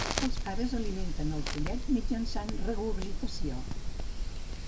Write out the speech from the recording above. Els pares alimenten el pollet mitjançant regurgitació.